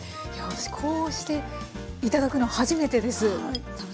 私こうして頂くの初めてです。